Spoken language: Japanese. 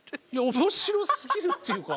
面白すぎるっていうか。